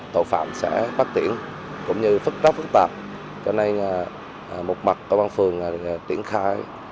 tổ phạm sẽ bắt tiễn cũng như phức trọng phức tạp cho nên một mặt tổ bàn phường tiến khai